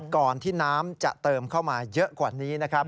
ก่อนที่น้ำจะเติมเข้ามาเยอะกว่านี้นะครับ